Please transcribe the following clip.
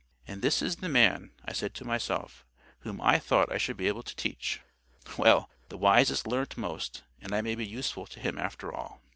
"And this is the man," I said to myself, "whom I thought I should be able to teach! Well, the wisest learn most, and I may be useful to him after all."